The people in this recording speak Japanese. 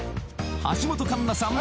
橋本環奈さん